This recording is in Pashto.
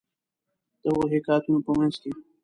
د هغو حکایتونو په منځ کې.